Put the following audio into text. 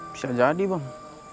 bisa jadi bang